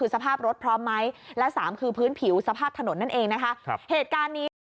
สภาพถนนนั่นเองนะคะเหตุการณ์นี้